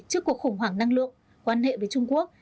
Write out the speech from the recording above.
trước cuộc khủng hoảng năng lượng quan hệ với trung quốc